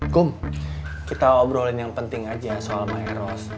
kum kita obrolin yang penting aja soal sama eros